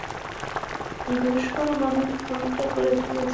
ঘুষখোর মানুষ ভুলটা করে ফেলেছে।